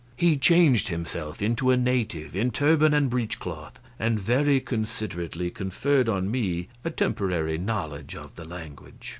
He changed himself into a native in turban and breech cloth, and very considerately conferred on me a temporary knowledge of the language.